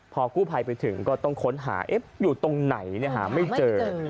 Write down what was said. พอกู้ภัยไปถึงก็ต้องค้นหาอยู่ตรงไหนหาไม่เจอ